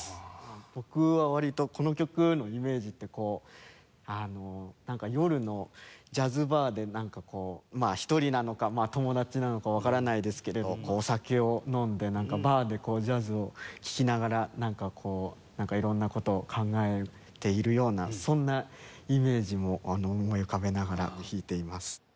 僕は割とこの曲のイメージってこうあの夜のジャズバーでなんかこう１人なのか友達なのかわからないですけれどお酒を飲んでバーでジャズを聴きながらなんかこう色んな事を考えているようなそんなイメージも思い浮かべながら弾いています。